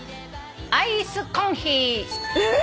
「アイスコンヒー」えっ？